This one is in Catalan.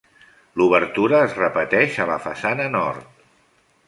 L'obertura es repeteix a la façana nord.